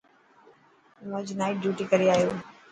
هون اڄ نائٽ ڊيوٽي ڪري آيو.